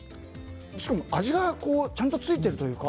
しかも味がちゃんとついているというか。